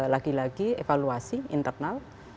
lagi lagi evaluasi internal